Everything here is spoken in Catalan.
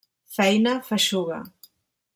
Feina feixuga.